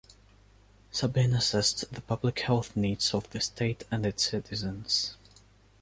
Sabin assessed the public health needs of the state and its citizens.